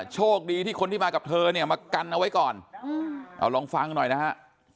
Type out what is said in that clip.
โชคดีที่คนที่มากับเธอเนี่ยมากันเอาไว้ก่อนเอาลองฟังหน่อยนะฮะ